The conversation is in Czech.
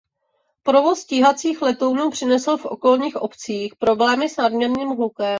Provoz stíhacích letounů přinesl v okolních obcích problémy s nadměrným hlukem.